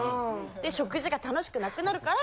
食事が楽しくなくなるから。